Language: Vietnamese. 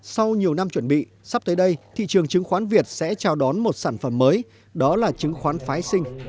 sau nhiều năm chuẩn bị sắp tới đây thị trường chứng khoán việt sẽ chào đón một sản phẩm mới đó là chứng khoán phái sinh